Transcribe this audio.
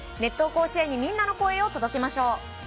甲子園にみんなの声を届けましょう！